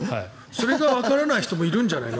それがわからない人もいるんじゃないの？